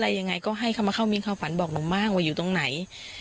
ยังไงก็ให้เขามาเข้ามีความฝันบอกหนูมากว่าอยู่ตรงไหน